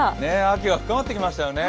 秋が深まってきましたね。